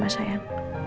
masuk dulu kan